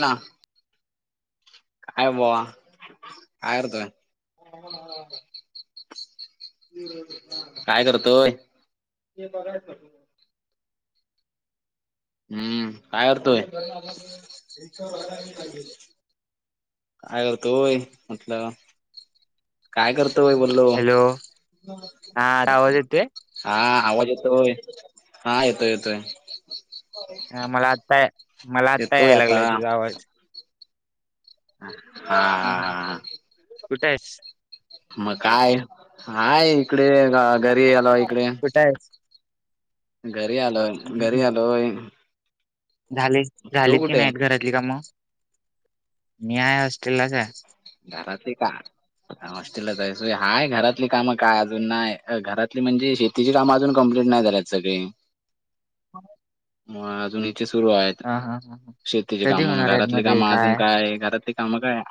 बोल ना, काय भावा. अर्धा काय करतोय? हम्म काय करतोय? काय करतोय म्हटलं. काय करतोय बोलो. हॅलो हा आता आवाज येतोय हा आवाज येतोय, हा येतोय येतोय. हा मला आत्ताय मला आत्ताय येतोय यायला आता लागलंय तुझा आवाज. हा हा हा. कुठ आहेस? मग काय, हाय इकडे. का घरी आलोय इकडे कुठे आहेस घरी आलोय हम्म घरी हम्म आलोय झाले तू झाले की कुठे नाहीत घरत ती का म मी आहे हॉस्टेलाच आहे. दारातली काढ. हॉस्टेलच आहेस रे हाय घरातली कामं काय अजून नाय घरातली म्हणजे शेती तीची कामं अजून कंप्लीट नाही झाल्यात सगळी. [inaudible] म अजून हिथे सुरू आहेत हा हा हा हा. शेतीची कधी कामं होणार आहेत घरातली मध्ये कामं अजून काय आहे घरातले कामं काय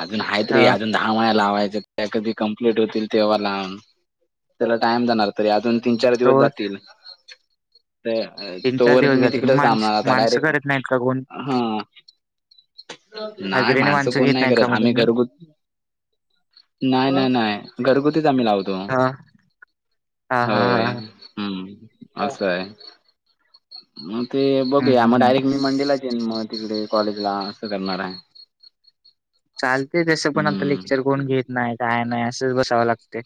अजून आहेत रे ह अजून दहा माल्या लावायच्या त्या कधी कंप्लीट होतील तेव्हा लावून. त्याला टाइम जाणार तरी अजून तीन चार तो दिवस जातील. ते अ तीन तो चार वर दिवस तुम्ही जातील तिकडं माणस थांबा आता माणसं डायरेक्ट करत नाहीत का कोण हा. नाय हाजरीने माणसं कोण घेत नाही नाहीत का करत मग आम्ही तुम्ही घरगु नाही हा नाही नाही घरगुतीच आम्ही लावतो. हा हा होय हा हम्म. असं आहे, मग ते हम्म बघूया मग ते हम् डायरेक्ट. मंडेलाच येईन म तिकडे कॉलेज ला असं करणार आहे. चालते तसं पण आता हं. लेक्चर कोण घेत नाय काय नाय असंच बसावं लागते.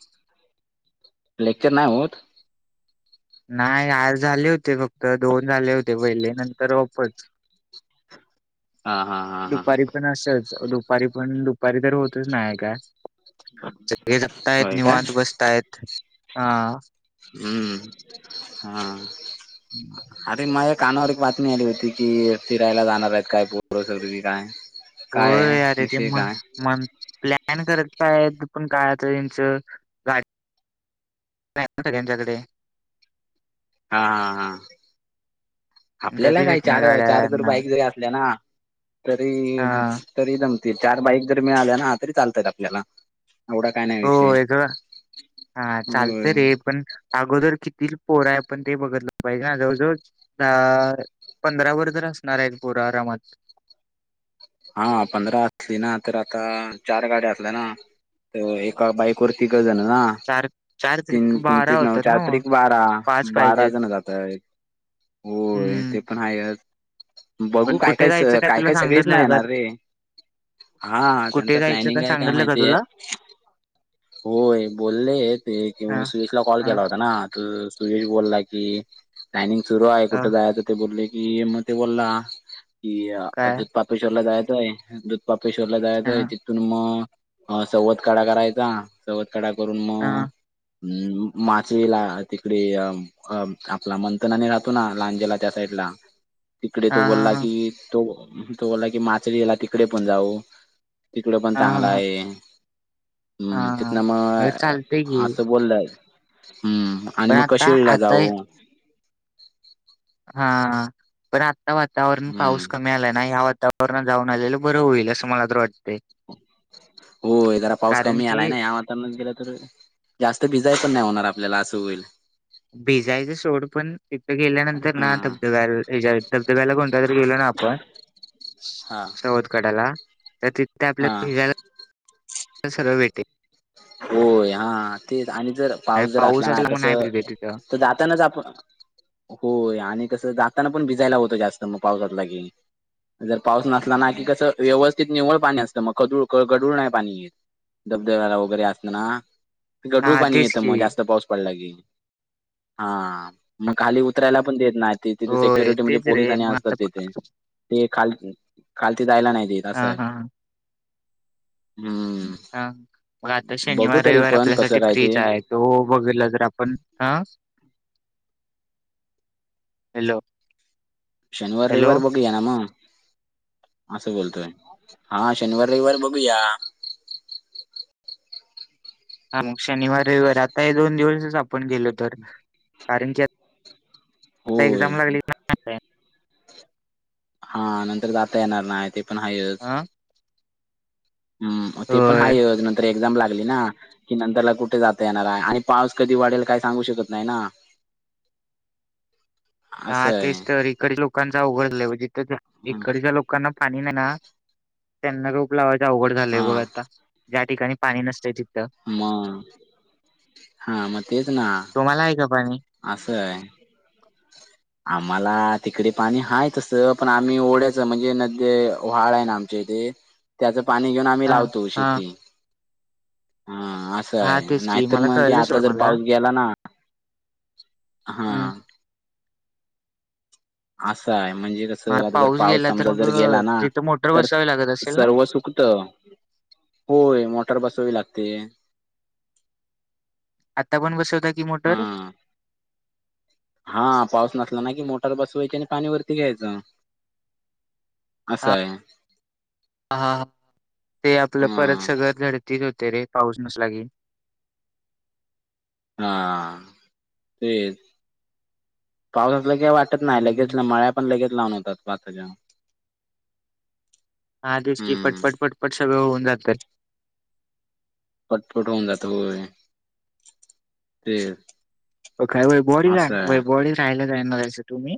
लेक्चर नाय होत? नाही आज झाले होते फक्त दोन झाले होते पहिले नंतर ऑफच. हा हा हा हा. दुपारी पण असंच दुपारी पण दुपारी तर होतच नाय काय. सगळे जगतायत होय काय? निवांत बसतायत आं. हम्म. हां. हम्म. ते माझ्या कानावर एक बातमी आली होती की फिरायला जाणार आहेत काय पोरं सगळी काय. हो काय आहे यारे ते, विषय म काय म प्ल [unintelligible] बाईकपण सगळ्यांच्याकडे हा हा हा. आपल्याला कधी काय भेटणार चार, चार जर गाड्यांना बाईक जरी असल्या ना तरी. हा तरी जमतील चार बाईक जरी मिळाल्या ना, तरी चालतेत आपल्याला. एवढा काय नाही विषय होय जरा, हा होय चालतय रे पण अगोदर किती पोर आहे आपण ते, बघितलं पाहिजे ना जवळजवळ. तर पंधरावरभर तर असणार हायत पोरं आरामात. हा पंधरा असली ना, तर आता चार गाड्या असल्या ना तर एका बाईकवर, तिघंजणं ना. चार चार तीन त्रिक तीन बारा त्रिक नऊ, होतात चार ना मग त्रिक बारा पाच पाहिजेत बाराजण जातायत. होय हम्म ते पण हायच, बघू पण काय कुठे काय स जायचं काय तुला काय सगळेच नाय सांगितलेलं का येणार रे, हा त्यांच कुठे जायचं प्लनिंग का हाय काय सांगितलं का माहितीए. तुला होय बोलले ते, हा सुयशला कॉल हा केला होता ना. सुयेश बोलला की, प्लॅनिंग सुरू आहे ह कुठे जायचं. ते बोले की मग ते बोला, कि काय दुध पापेश्वरला जायचंय दुध. बापेश्वरला हा जायचंय तिथून, मग अ.. सवतकडा करायचा. सवतकडा करून म, हा हा अं माचवीला तिकडे अ अं.. आपला मंथन आणि राहतो ना, लांजेला त्या साईड ला. तिकडे तो बोलला हा की तो, तो बोलला की माचळी ला तिकडे पण जाऊ. तिकडं पण हा हा चांगलं हा आहे. हम्म हा तिथनं म्हणजे मग चालतय की असं बोललं, हम्म. आणि पण मग आता कशीळा आता जाऊ. हा पण आता वातावरण हम्म पाऊस कमी आलाय ना ह्या वातावर पूर्ण जाऊन आलेलं बरं होईल, असं मला तर वाटतंय. होय, जरा पाऊस कारण कमी आलाय की ना यात. त्या नदीला तर जास्तं, भिजाय पण नाय होणार आपल्याला असं होईल. भिजायचं सोड. पण तिथं गेल्यानंतर ना हा धबधब्याला भिजाय धबधब्याला कोणता तरी गेलो ना आप पण हा सवतकड्याला. तर तिथे हा आपल्याला भिजायला सगळं वेटिंग होय हा तेच आणि जर नाही पाऊस जर असला ना मग नाही कसं, भेटे तिथं तर जातानाच आप होय आणि कसं जाताना. पण भिजायला होतं, जास्त मग पावसात लगेच. जर पाऊस नसला ना की कसं व्यवस्थित निव्वळ पाणी असतं, मग खडूळ गडूळ नाही पाणी येत. धबधब्याला वगैरे असलं ना, गडूळ हा पाणी तेच येतं मग की जास्त पाऊस पडला की. हां.. मग खाली उतरायला पण देत नायत. ते तिथे होय सेक्युरिटी म्हणजे तेच रे पोलिस आणि मग असतात आता तिथे. ते खाल खालती जायला नाही देत हा असय. हा हम्म. हा मग आता बघू शनिवार तरी रविवार पण कसं आपल्यासाठी काय फ्रीच ते आहे, तो बघितला जर आपण हं हॅलो, शनिवार, हॅलो रविवार बघुया ना मग. असं बोलतोय, हा शनिवार रविवार बघूया. हा मग शनिवार, रविवार आता हे दोन दिवसच आपण गेलो तर. कारण की आता होय. एक्झामला गेली ना हा नंतर जाता येणार नाही ते पण हायच. ह हम्म ते पण होय हायच, नंतर एक्झाम लागली ना. कि नंतरला कुठे जाता येणार आहे आणि पाऊस कधी वाढेल काय सांगू शकत नाही ना. असं हां आहे. तेच तर इकडच्या लोकानचं, [unintelligible] ज्या ना पाणी नाही ना, त्यांना रोप लावायच अवघड झालंय हा बघ आता. ज्या ठिकाणी पाणी नसतंय तिथं. मग हां मग, तेच ना. तुम्हाला आहे का पाणी? असा आहे. आम्हाला तिकडे पाणी हाय तसं, पण आम्ही ओढ्याच म्हणजे नद व्हाळ आहे ना आमच्या इथे त्याचा पाणी घेऊन आम्ही हा लावतो हा शेती हा असं हा काय तेच की नाहीतर मला मग हे कळलं आता सोड जर मला पाऊस गेला ना हा. हम्म. असं आहे म्हणजे कसं मग [unintelligible] आता जर पाऊस गेला तर समजा मग जर गेला ना, जिथं मोटर तर बसावी लागत असेल ना? सर्व सुकत. होय मोटार बसावावी लागते. आता पण बसवता ती मोटर? हा हा पाऊस नसला ना कि मोटर बसवायची आणि पाणी वरती घ्यायचं. असं आहे हा ते आपलं परत हा सगळं घड तेच होतंय रे पाऊस नसला की. हा तेच [unintelligible] काय वाट नाही लगेच हम्म. मळ्या पण लगेच लावून होतात पाच हजार. हा तेच की पटपट पटपट सगळं होऊन जातात. पटपट होऊन जातं होय. तेच काय वैभववाडीला वैभववाडील राहायला जाणार हैसा तुम्ही?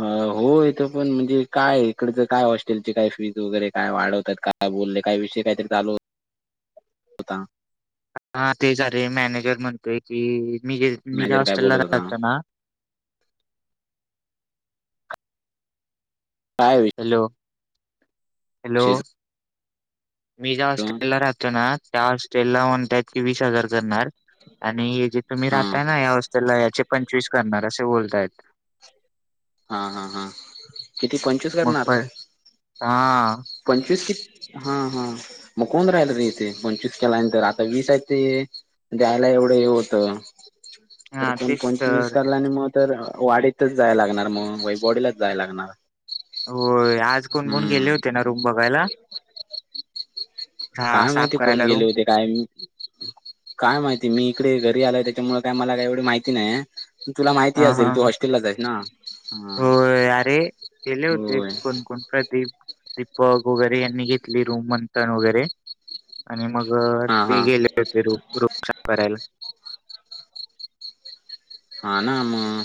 होय तो पण म्हणजे काय इकडचं काय हॉस्टेलची काय फीज वगैरे काय वाढवतात काय काय बोलले, काय विषय काहीतरी चालू होता. हा तेच अरे मॅनेजर म्हणतोय की, मी मी ज्या मॅनेजर काय हॉस्टेलला बोलत होता राहतो ना काय? Hello hello. विषय मी ज्या हॉस्टेल ला राहतो ना त्या होस्टेलला म्हणत्यात की वीस हजार करणार. आणि जे तुम्ही हा राहताय ना या हॉस्टेलला, याचे पंचवीस करणार असे बोलतायत. हा हा हा. किती पंचवीस मग प करणार? हा. पंचवीस की हा हा, मग कोण राहिल रे इथे पंचवीस केल्यानंतर? आता वीस आहेत ते द्यायला एवढं हे होतं, तर हा कोण तेच पंचवीस तर करलाने मग तर वाडीतच जाय लागणार मग, वैभववाडीलाच जायला लागणार. होय आज कोण कोण गेले होते ना हम्म रूम बघायला? हा काय साफ माहिती कोण करायला गेले रूम होते? टायमिंग काय माहिती मी इकडे घरी आलोय त्याच्यामुळे काय मला एवढी माहिती नाही. तुला माहिती हा हा असेल, तू हॉस्टेललाच आहेस ना. हा होय अरे गेले होते होय कोण-कोण प्रदीप दीपक वगैरे यांनी घेतली रूम मंथन वगैरे आणि मग हा ते हा गेले. [unintelligible] रुम साफ करायला. हा ना मग,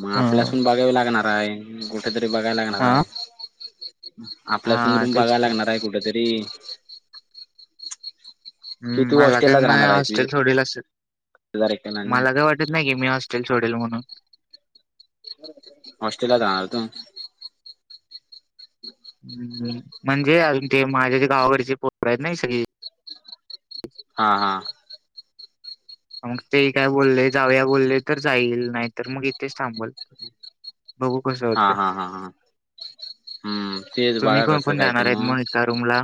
मग हा आपल्यासून बघावी लागणार आहे. कुठे तरी बघायला लागणार हा आहे. आपल्यासाठी हा रूम तेच बघायला की लागणार आहे कुठतरी. कि हम्म तू मला काय हॉस्टेललाच मी राहणार आहेस वीस हॉस्टेल सोडील असंल, हजार एकट्याला ना मला काय वाट [unintelligible] नाही मी होस्टेल सोडेल म्हणून. होस्टेलला जाणार तू? ह म्हणजे अजून ते माझ्या जे गावाकडचे पोर आहेत ना सगळी. हा हा. मग ते काय बोलले जाऊया बोलले तर जाईल नाही तर मग इथेच थांबल. बघू कसं हा होतंय. हा हा हा हम्म तेच तुम्ही बघा कोण कसं कोण काय ते जाणार आहेत मग त्या रूमला.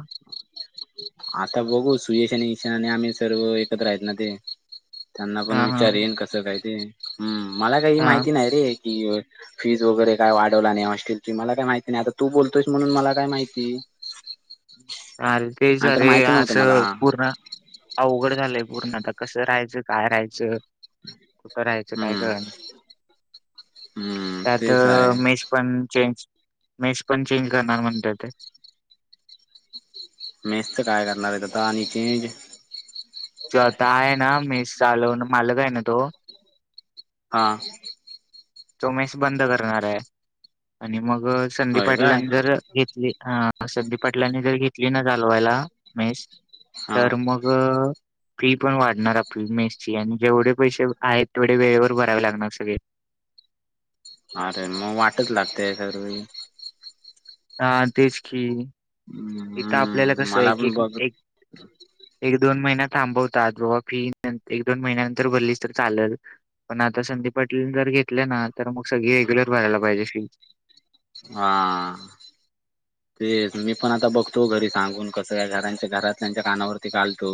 आता बघू, सुयश आणि ईशा आणि आम्ही सर्व एकत्र आहेत ना ते. त्यांना पण हा हा विचारेन कसं काय ते हम् मला काही हा माहिती नाही रे. फी वर फीज वगैरे, काय वाढवला नाही होस्टेलची ती मला काय माहिती नाही आता तू बोलतोयस म्हणून मला काय माहिती. आल के जा नाही तर रे माहिती नव्हतं मला असं पूर्ण. अवघड झालंय पूर्ण आता कसं राहायचं, काय राहायचं, कुठं राहायचं काय हम्म कळना. हम्म त्यात तेच आहे मेस पण चेंज, मेस पण चेंज करणार म्हणत्यात ते. मेसच काय करणार आहे आता आणि चेंज. तो आहे ना मेस चालव मालक आहे ना तो हा. तो मेस बंद करणार आहे आणि मग संदीप होय काय पाटलांनी जर घेतली ह संदीप पाटलांनी जर घेतली ना चालवायला मेस हा तर मग. हा. फी पण वाढणार आपली मेस ची आणि जेवढे पैसे आहेत, तेवढे वेळेवर भरावे लागणार सगळे. अरे मग वाटच लागते दरवेळी. हा तेच की इथं आपल्याला हम्म कसं आहे मला एक पण बघ एक एक दोन महिन्या थांबवतात बाबा फी एक दोन महिन्यानंतर भरलीच तर चालल. पण आता संदीप पाटील जर घेतल्या ना तर मग सगळी रेग्युलर भरायला पाहिजे शिल् हा. तेच मी पण आता बघतो घरी सांगून कसं काय कारण घरात घरातल्याच्या कानावरती घालतो.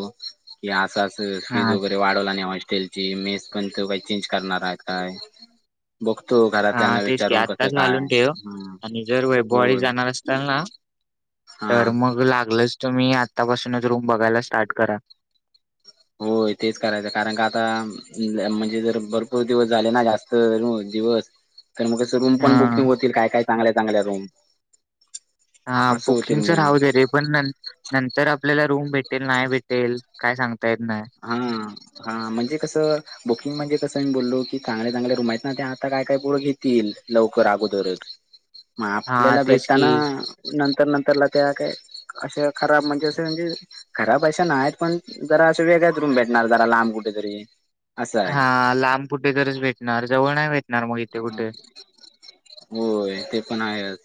हे असं असं- फीज हा वगैरे वाढवलं आणि हॉस्टेलची. मेस पण कोण चेंज करणार आहे काय. बघतो हा घरातल्यांना तेच की विचारून कसं आत्ताच काय घालून ठेव हम्म आणि जर वैभववाडी होय. जाणार असताल ना हा. तर मग लागलच तुम्ही आत्तापासूनच रूम बघायला स्टार्ट करा. होय तेच करायचं कारण का आता. म्हणजे जर भरपूर दिवस झाले ना जास्त दिवस. तर मग अस रूम हा पण बुकिंग होतील काय काय चांगल्या चांगल्या रूम. हा असं बुकिंग होतील च मग. राहु दे रे. पण नंतर आपल्याला रूम भेटेल नाही भेटेल काय सांगता येत नाही. हा. हा. म्हणजे कसं. बुकिंग म्हणजे कसं मी बोललो की चांगले चांगल्या रूम आहेत ना, ते आता काय काय पोरं घेतील लवकर अगोदरच. मग हा आपल्याला तेच की भेटताना नंतर नंतरला त्या काय. अशे खराब म्हणजे असं म्हणजे खराब अशा नाहीत पण जरा वेगळाच रूम भेटणार जरा लांब कुठेतरी. असं आहे हा लांब कुठेतरीच भेटणार. जवळ नाही भेट अ होय ते पण आहेच.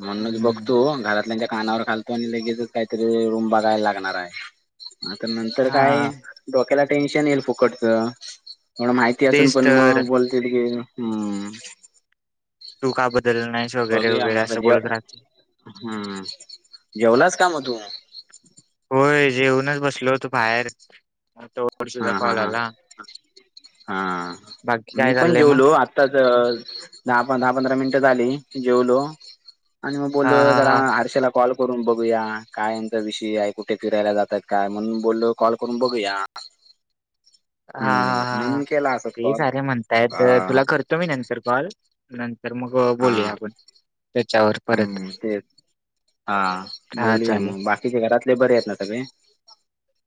म्हणूनच हम्म बघतो घरातल्याच्या कानावर घालतो आणि लगेचच काहीतरी रूम बघायला लागणार आहे आता नंतर काय. हा डोक्याला टेन्शन येईल फुकटच एवढं माहिती असून तेच पण तर मग बोलतेत की. हम्म. तू का बदलल नाहीस वगैरे बघूया वगैरे मग असं जे बोलत राहतील. हम्म. हा. जेवलास का मग तू? होय, जेवूनच बसलो होतो बाहेर हा वर्षाचा हा कॉल हा आला, बाकी काय चाललंय मग. आताच दहा, दहा पंधरा, मिनिटं झाली जेवलो. आणि म हा बोललो हा जरा हा आरशेला कॉल करून बघूया काय यांचा विषय आहे कुठे फिरायला जाताय काय म्हणून बोललो कॉल करून बघूया. हा. हम्म ह, ह, म्हणून केला असच ते कॉल सारे म्हणतायत हा तुला करतो मी नंतर कॉल. नंतर मग हा बोलूया आपण. त्याच्यावर परत हम्म तेच हा हा बोलूया चालेल. मग बाकीचे घरातले बरे आहेत ना सगळे?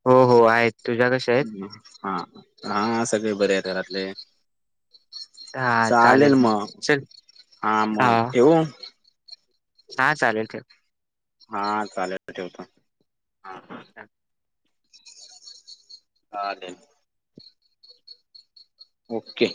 हो हो आहेत तुझ्या कशे आहेत? हा हा सगळे बरे आहे घरातले. हा चालेल म चल हा मग ठेवू? हा चालेल ठेव. हा चालेल ठेवतो हा हा. हा देन ओके.